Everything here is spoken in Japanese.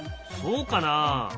そうかな？